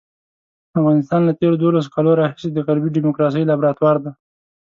افغانستان له تېرو دولسو کالو راهیسې د غربي ډیموکراسۍ لابراتوار دی.